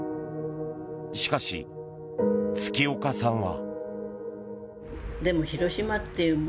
しかし、月丘さんは。